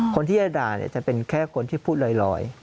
คนที่จะด่าจะเป็นแค่คนที่พูดลอย